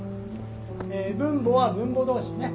分母は分母同士ね